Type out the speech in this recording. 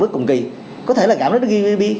với cùng kỳ có thể là giảm đến gdp